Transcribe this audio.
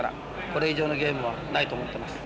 これ以上のゲームはないと思ってます。